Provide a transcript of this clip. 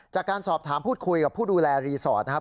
จากการสอบถามพูดคุยกับผู้ดูแลรีสอร์ทนะครับ